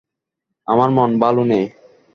আমার মন ভালো নেই।